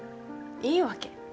いいわけ。